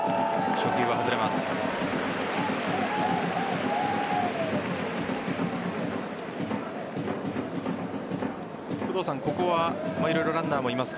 初球は外れます。